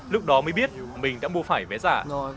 lúc đó mới biết mình đã mua phải vé giả